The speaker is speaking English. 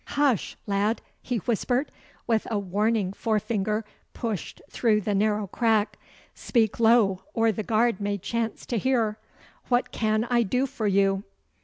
'Hush, lad!' he whispered, with a warning forefinger pushed through the narrow crack. 'Speak low, or the guard may chance to hear. What can I do for you?